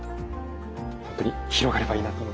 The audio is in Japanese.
本当に広がればいいなと思いますね。